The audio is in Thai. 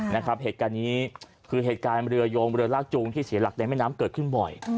เหตุการณ์นี้คือเหตุการณ์เรือโยงเรือลากจูงที่เสียหลักในแม่น้ำเกิดขึ้นบ่อย